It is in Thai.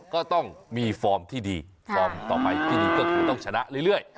ก็ต้องมีฟอร์มที่ดีฟอร์มต่อไปที่ดีก็คือต้องชนะเรื่อย